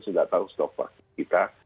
sudah tahu stok vaksin kita